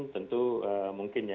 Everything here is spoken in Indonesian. tentu mungkin ya